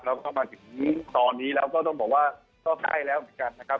แล้วก็มาถึงตอนนี้แล้วก็ต้องบอกว่าก็ใกล้แล้วเหมือนกันนะครับ